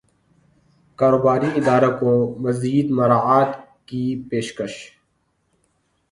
کاروباری اداروں کو مزید مراعات کی پیشکش